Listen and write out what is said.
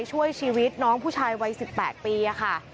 ช่วยชีวิตน้องผู้ชายวัย๑๘ปีค่ะ